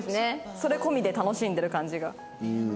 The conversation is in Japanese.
それ込みで楽しんでる感じが。